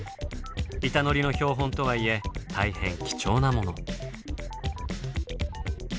板ノリの標本とはいえ大変貴重なモノ。